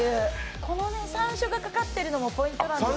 この山椒がかかってるのもポイントなんです。